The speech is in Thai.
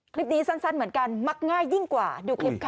สั้นเหมือนกันมักง่ายยิ่งกว่าดูคลิปค่ะ